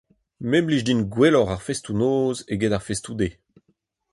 Me 'blij din gwelloc'h ar festoù-noz eget ar festoù-deiz.